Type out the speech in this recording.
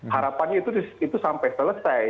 harapannya itu sampai selesai